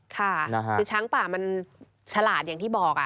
ค่ะคือช้างป่ามันฉลาดอย่างที่บอก